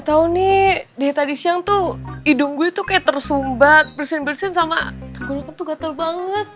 tapi dari siang itu hidung gue tersumbat bersin bersin sama tenggelam tuh gatel banget